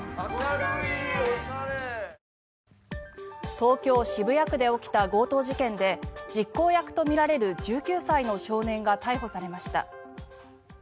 東京・渋谷区で起きた強盗事件で実行役とみられる１９歳の少年が逮捕されました。